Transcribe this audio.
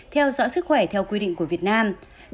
theo dõi sức khỏe theo quy định của việt nam